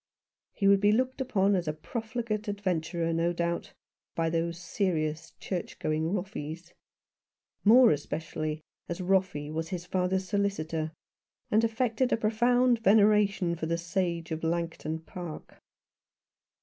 He would be looked upon as a profligate adventurer, no doubt, by those serious church going Roffeys ; more especially as Roffey was his father's solicitor, and affected a profound veneration for the sage of Langton Park.